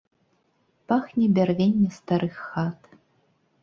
Пахне бярвенне старых хат.